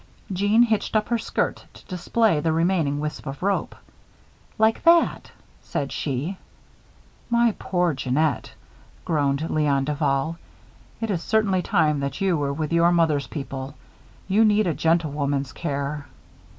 Jeanne hitched up her skirt to display the remaining wisp of rope. "Like that," she said. "My poor Jeannette," groaned Léon Duval, "it is certainly time that you were with your mother's people. You need a gentlewoman's care."